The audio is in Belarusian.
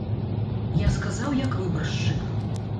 Я сказаў як выбаршчык.